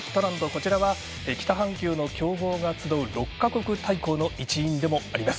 こちらは北半球の強豪が集う６か国対抗の一員でもあります。